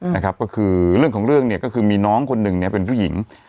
นะครับก็คือเรื่องของเรื่องเนี่ยก็คือมีน้องคนหนึ่งเนี่ยเป็นผู้หญิง